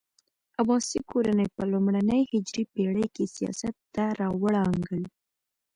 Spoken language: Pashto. عباسي کورنۍ په لومړنۍ هجري پېړۍ کې سیاست ته راوړانګل.